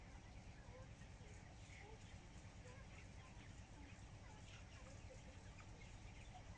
ازادي راډیو د مالي پالیسي په اړه د روغتیایي اغېزو خبره کړې.